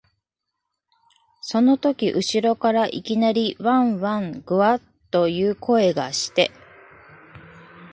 そのとき後ろからいきなり、わん、わん、ぐゎあ、という声がして、